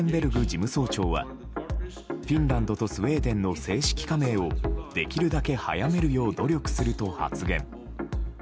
事務総長はフィンランドとスウェーデンの正式加盟をできるだけ早めるよう努力すると発言。